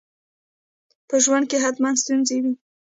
په ژوند کي حتماً ستونزي وي.